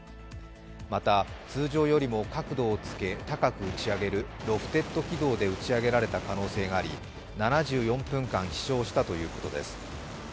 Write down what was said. また、通常よりも角度を付け高く打ち上げるロフテッド軌道で打ち上げられた可能性があり、７４分間、飛しょうしたということです。